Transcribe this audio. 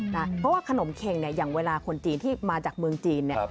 เพราะว่าขนมเข็งเนี่ยอย่างเวลาคนจีนที่มาจากเมืองจีนเนี่ย